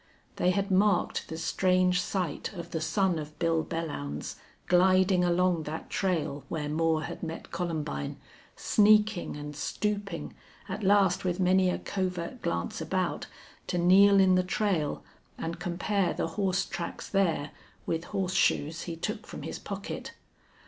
They had marked the strange sight of the son of Bill Belllounds, gliding along that trail where Moore had met Columbine, sneaking and stooping, at last with many a covert glance about, to kneel in the trail and compare the horse tracks there with horseshoes he took from his pocket.